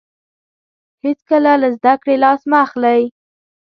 هیڅکله له زده کړې لاس مه اخلئ.